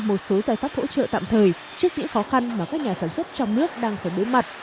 một số giải pháp hỗ trợ tạm thời trước những khó khăn mà các nhà sản xuất trong nước đang phải đối mặt